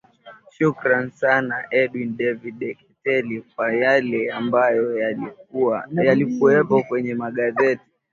shukran sana edwin david deketela kwa yale ambayo yalikuwepo kwenye magazeti